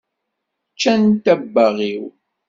Ččant abbaɣ-iw.